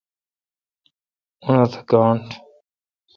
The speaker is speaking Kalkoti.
اونتھ گاݨڈ